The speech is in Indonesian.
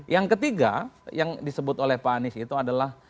yang ketiga yang disebut oleh pak anies itu adalah